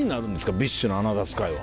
ＢｉＳＨのアナザースカイは。